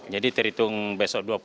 jadi terhitung besok dua puluh